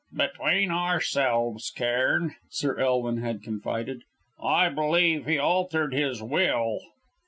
"Between ourselves, Cairn," Sir Elwin had confided, "I believe he altered his will."